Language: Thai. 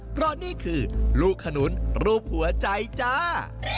เพราะนี่คือลูกขนุนรูปหัวใจจ้า